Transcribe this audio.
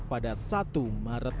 pada satu maret